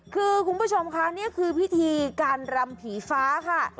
คือคุณผู้ชมค่ะนี่คือพิธีการรำผีฟ้าค่ะ